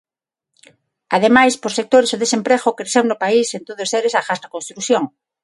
Ademais, por sectores o desemprego creceu no país en todos eles agás na construción.